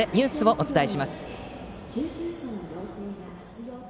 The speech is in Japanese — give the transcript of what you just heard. お伝えします。